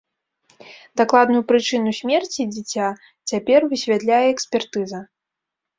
Дакладную прычыну смерці дзіця цяпер высвятляе экспертыза.